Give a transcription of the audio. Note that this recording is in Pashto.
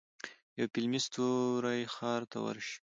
یو فلمي ستوری ښار ته ورشي.